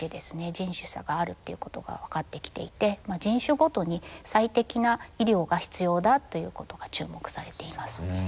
人種差があるっていうことが分かってきていて人種ごとに最適な医療が必要だということが注目されていますね。